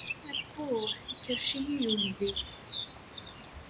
Abbuh! Ikerrec-iyi uydi.